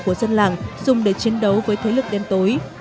của dân làng dùng để chiến đấu với thế lực đêm tối